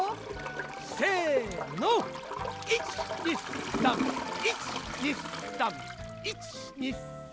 せの１２３！１２３！１２３！